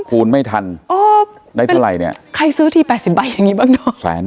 คูณไม่ทันอ๋อได้เท่าไหร่เนี่ยใครซื้อที๘๐ใบอย่างนี้บ้างเนอะ